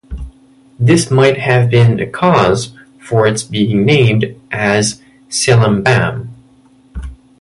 This might have been the cause for its being named as "Silambam".